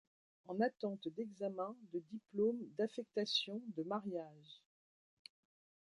En attente d'examen, de diplôme, d'affectation, de mariage.